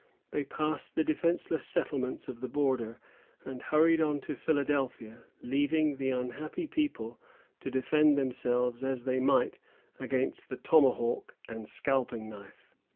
They passed the defenceless settlements of the border, and hurried on to Philadelphia, leaving the unhappy people to defend themselves as they might against the tomahawk and scalping knife.